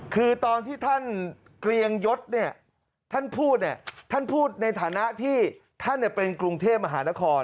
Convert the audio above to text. คือตอนที่ท่านเกลียงยศท่านพูดในฐานะที่ท่านเป็นกรุงเทพมหานคร